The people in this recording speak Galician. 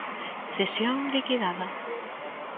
Cesión liquidada.